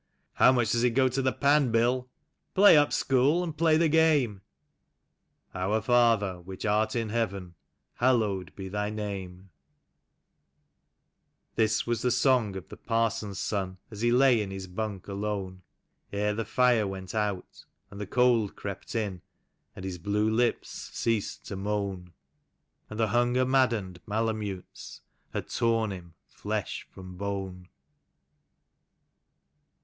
. How much does it go to the pan. Bill ?... play up. School, and play the game ...... Our Father, which art in heaven, hallowed be Thy name ..." This was the song of the parson's son, as he lay in his hunTc alone. Ere the fre ivent out and the cold crept in, and his blue lips ceased to moan, And the hunger maddened malamutes had torn him flesh from hone.